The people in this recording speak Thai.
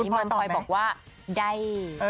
คุณพ่อยตอบมั้ยคุณพ่อยบอกว่าได้